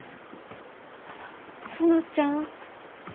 園ちゃん？